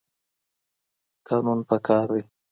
قانون پکار دی.